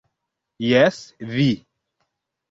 Jes, vi!